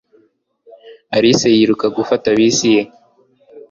Alice yiruka gufata bisi ye. .